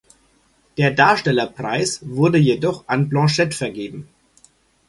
Der Darstellerpreis wurde jedoch an Blanchett vergeben.